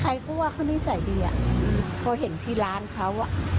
ใครก็ว่าเขานิสัยดีอะเพราะเห็นที่ร้านเขาอะ